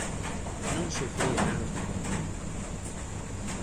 Non sufrira anos dabondo.